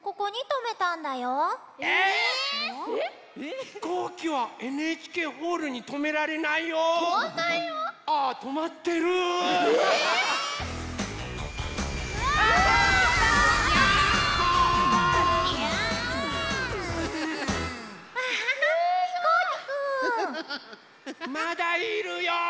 まだいるよ！